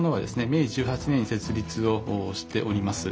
明治１８年に設立をしております。